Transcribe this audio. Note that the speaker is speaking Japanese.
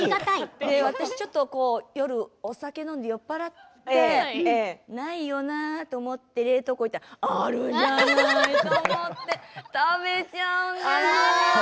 私、夜お酒を飲んで酔っ払ってないよなーと思って冷凍庫に行ったらあるじゃない、と思って食べちゃうの。